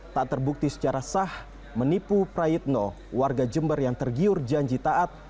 tak terbukti secara sah menipu prayitno warga jember yang tergiur janji taat